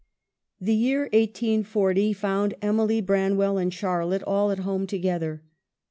* The year 1840 found Emily, Branwell, and Charlotte all at home together.